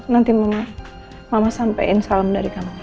nanti mama mama sampein salam dari kamu ya